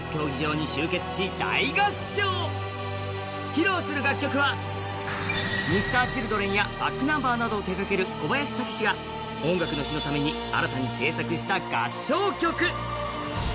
披露する楽曲はＭｒ．Ｃｈｉｌｄｒｅｎやｂａｃｋｎｕｍｂｅｒなどを手がける小林武史が「音楽の日」のために新たに制作した合唱曲。